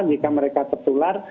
jika mereka tertular